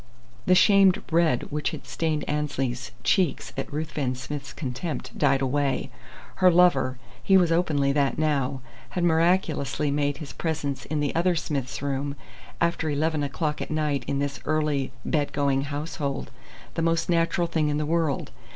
The shamed red which had stained Annesley's cheeks at Ruthven Smith's contempt died away. Her "lover" he was openly that now had miraculously made his presence in the other Smith's room, after eleven o'clock at night in this early bed going household, the most natural thing in the world.